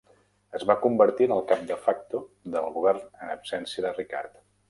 Es va convertir en el cap de facto del govern en absència de Ricard.